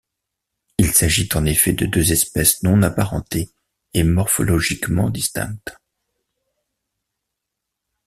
Il s'agit en effet de deux espèces non apparentées et morphologiquement distinctes.